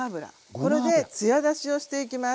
これで艶出しをしていきます。